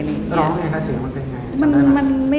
ร้องให้กลัวเสียงมันเป็นยังไง